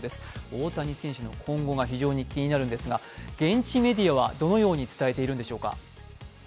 大谷選手の今後が非常に気になるんですが、現地メディアはどのように伝えているんでしょうか。